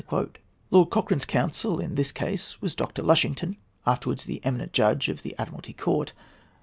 Lord Cochrane's council in this case was Dr. Lushington, afterwards the eminent judge of the Admiralty Court.